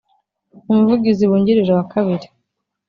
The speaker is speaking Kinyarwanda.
Umuvugizi wungirije wa kabiri